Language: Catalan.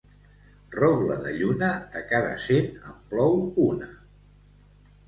Rogle de lluna, de cada cent en plou una.